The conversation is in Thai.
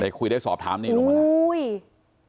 ได้คุยได้สอบถามนี้ลงมานะ